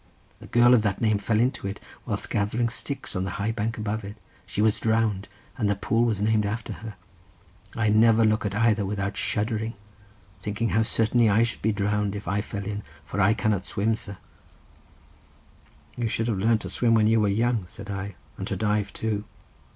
A girl of that name fell into it, whilst gathering sticks on the high bank above it. She was drowned, and the pool was named after her. I never look at either without shuddering, thinking how certainly I should be drowned if I fell in, for I cannot swim, sir." "You should have learnt to swim when you were young," said I, "and to dive too.